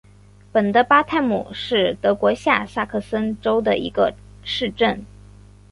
巴德本泰姆是德国下萨克森州的一个市镇。